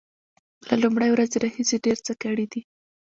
له لومړۍ ورځې راهیسې ډیر څه کړي دي